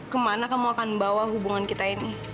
kemana kamu akan bawa hubungan kita ini